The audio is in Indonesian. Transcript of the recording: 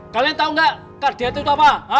kalian tau gak kdrt itu apa